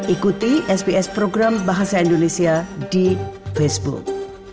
ikuti sps program bahasa indonesia di facebook